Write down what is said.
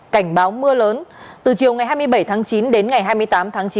cảnh báo mưa lớn từ chiều ngày hai mươi bảy tháng chín đến ngày hai mươi tám tháng chín